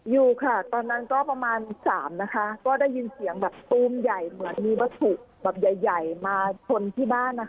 อยู่ค่ะตอนนั้นก็ประมาณสามนะคะก็ได้ยินเสียงแบบตูมใหญ่เหมือนมีวัตถุแบบใหญ่ใหญ่มาชนที่บ้านนะคะ